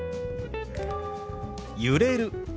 「揺れる」。